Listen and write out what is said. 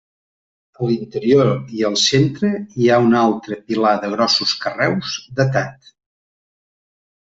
A l'interior i al centre hi ha un altre pilar de grossos carreus, datat.